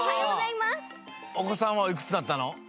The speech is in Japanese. おこさんはおいくつになったの？